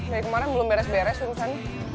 dari kemarin belum beres beres wih misalnya